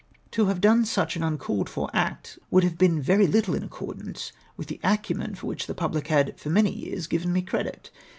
To have done such an uncalled for act, would have been little in accordance Avith the acumen for which the pubhc had for many years given me credit.